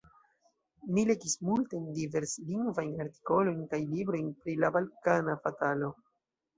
Mi legis multajn, diverslingvajn artikolojn kaj librojn pri la balkana fatalo.